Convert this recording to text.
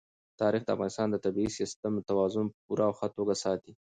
تاریخ د افغانستان د طبعي سیسټم توازن په پوره او ښه توګه ساتي.